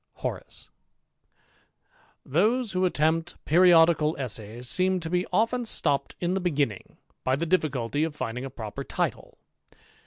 HoK, 'X'HOSE who attempt periodical essays seem to be o\ ^ stopped in the begimiing, by the difficulty of finrlir^ a proper title.